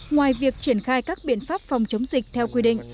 ngoài việc triển khai các biện pháp phòng chống dịch theo quy định